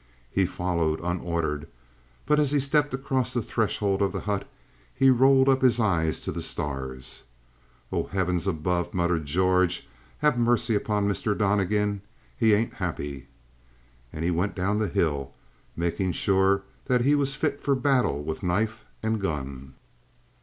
He followed, unordered, but as he stepped across the threshold of the hut he rolled up his eyes to the stars. "Oh, heavens above," muttered George, "have mercy on Mr. Donnegan. He ain't happy." And he went down the hill, making sure that he was fit for battle with knife and gun.